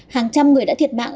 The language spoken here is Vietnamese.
hàng trăm người đã thiệt mạng